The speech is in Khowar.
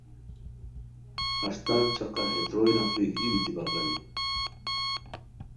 ہݰ تان چقہ ہے تروئے نفری ای بیتی بغانی